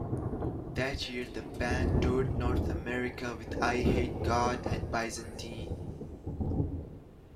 That year the band toured North America with Eye-HateGod and Byzantine.